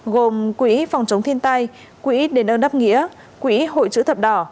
gồm quỹ phòng chống thiên tai quỹ đền ơn đáp nghĩa quỹ hội chữ thập đỏ